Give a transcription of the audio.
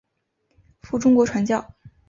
赴中国传教。